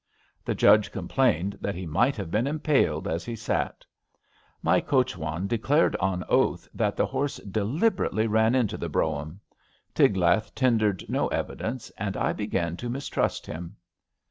The Judge complained that he might have been impaled as he sat. My coachwan declared on oath that the horse deliberately ran into the brougham. Tig lath tendered no evidence^ and I began to mistrust him.